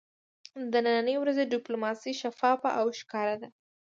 د ننی ورځې ډیپلوماسي شفافه او ښکاره ده